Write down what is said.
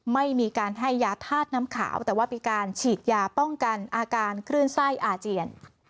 ไม่มีการให้ยาธาตุน้ำขาวแต่ว่ามีการฉีดยาป้องกันอาการคลื่นไส้อาเจียน